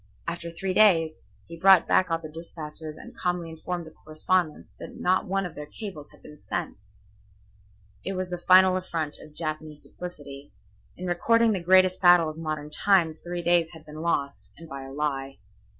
After three days he brought back all the despatches and calmly informed the correspondents that not one of their cables had been sent. It was the final affront of Japanese duplicity. In recording the greatest battle of modern times three days had been lost, and by a lie.